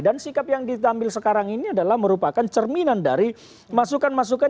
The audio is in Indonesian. dan sikap yang diambil sekarang ini adalah merupakan cerminan dari masukan masukan